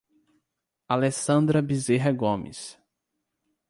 Alessandra Bezerra Gomes